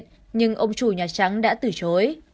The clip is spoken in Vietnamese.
nhưng ông chủ nhà trắng đã từ chối